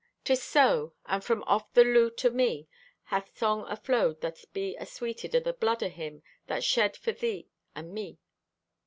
'Tis so, and from off the lute o' me hath song aflowed that be asweeted o' the blood o' Him that shed for thee and me."